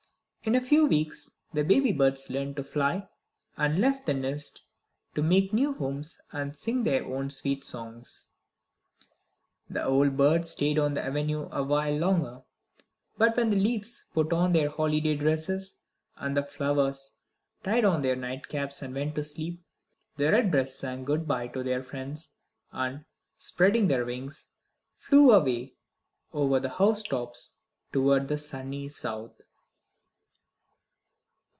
In a few weeks the baby birds learned to fly, and left the nest to make new homes and sing their own sweet songs. The old birds stayed on the Avenue awhile longer, but when the leaves put on their holiday dresses, and the flowers tied on their nightcaps and went to sleep, the Redbreasts sang good by to their friends and, spreading their wings, flew away over the house tops toward the Sunny South.